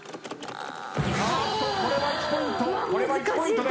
これは１ポイント。